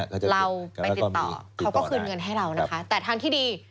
เราไปติดต่อเขาก็คืนเงินให้เรานะคะแต่ทางที่ดี